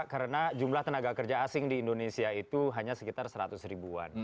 karena jumlah tenaga kerja asing di indonesia itu hanya sekitar seratus ribuan